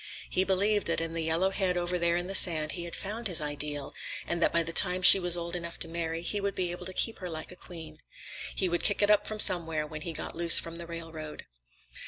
He believed that in the yellow head over there in the sand he had found his ideal, and that by the time she was old enough to marry, he would be able to keep her like a queen. He would kick it up from somewhere, when he got loose from the railroad.